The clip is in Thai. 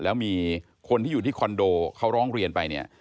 แล้วมีคนที่อยู่ที่คอนโดเขาร้องเรียนไปเนี่ย